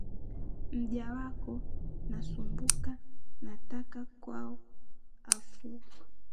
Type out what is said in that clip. Mja wako nasumbuka, nataka kwao afua